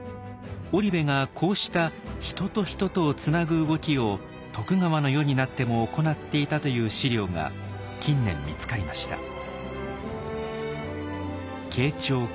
織部がこうした人と人とをつなぐ動きを徳川の世になっても行っていたという史料が近年見つかりました。